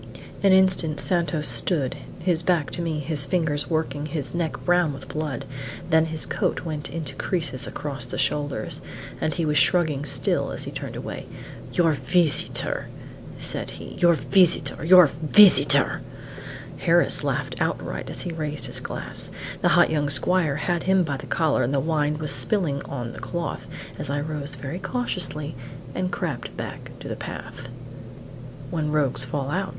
An instant Santos stood, his back to me, his fingers working, his neck brown with blood; then his coat went into creases across the shoulders, and he was shrugging still as he turned away. "Your veesitor!" said he. "Your veesitor! Your veesitor!" Harris laughed outright as he raised his glass; the hot young squire had him by the collar, and the wine was spilling on the cloth, as I rose very cautiously and crept back to the path. "When rogues fall out!"